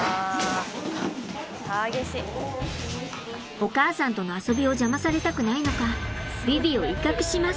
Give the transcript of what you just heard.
お母さんとの遊びを邪魔されたくないのかヴィヴィを威嚇します。